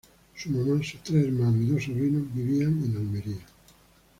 Su mamá, sus tres hermanos y dos sobrinos vivían en Almería.